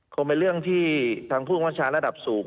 คงเป็นเรื่องที่ทางผู้บังคับชาระดับสูง